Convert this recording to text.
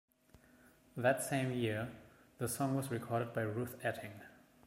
That same year the song was recorded by Ruth Etting.